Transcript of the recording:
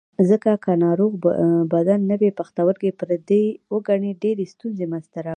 ځکه که د ناروغ بدن نوی پښتورګی پردی وګڼي ډېرې ستونزې منځ ته راوړي.